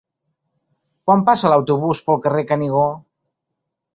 Quan passa l'autobús pel carrer Canigó?